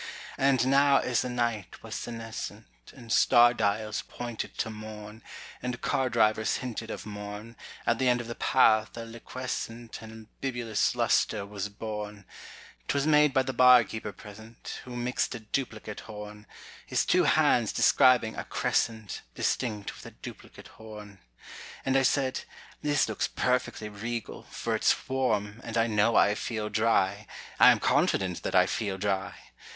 And now as the night was senescent, And star dials pointed to morn, And car drivers hinted of morn, At the end of the path a liquescent And bibulous lustre was born; 'Twas made by the bar keeper present, Who mixed a duplicate horn, His two hands describing a crescent Distinct with a duplicate horn. And I said: "This looks perfectly regal, For it's warm, and I know I feel dry, I am confident that I feel dry.